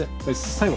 最後。